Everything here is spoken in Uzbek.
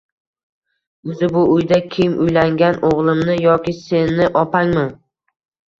O`zi bu uyda kim uylangan, o`g`limmi yoki seni opangmi